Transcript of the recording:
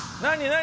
何？